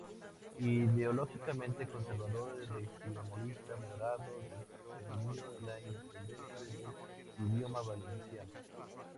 Ideológicamente conservador y regionalista moderado, defendió la independencia del idioma valenciano.